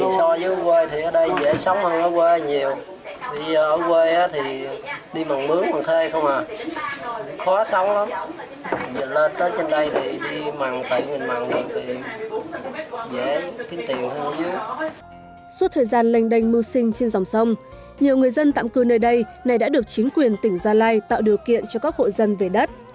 suốt thời gian lênh đênh mưu sinh trên dòng sông nhiều người dân tạm cư nơi đây này đã được chính quyền tỉnh gia lai tạo điều kiện cho các hộ dân về đất